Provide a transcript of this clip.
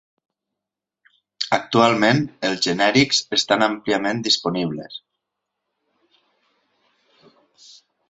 Actualment, els genèrics estan àmpliament disponibles.